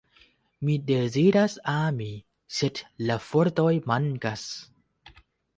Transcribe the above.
Mi deziras ami, sed la fortoj mankas.